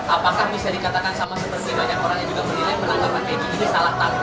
apakah bisa dikatakan sama seperti banyak orang yang juga menilai penangkapan edi ini salah